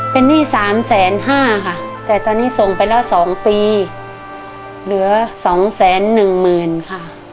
เป็นหนี้สามแสนห้าค่ะแต่ตอนนี้ส่งไปแล้ว๒ปีเหลือสองแสนหนึ่งหมื่นค่ะ